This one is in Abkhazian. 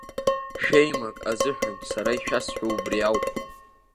Шәеимак, азыҳәан сара ишәасҳәо убри ауп.